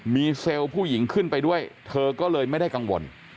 มีเซลล์ผู้หญิงขึ้นไปด้วยเธอก็เลยไม่ได้กังวล